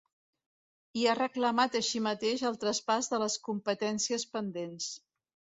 I ha reclamat així mateix el traspàs de les competències pendents.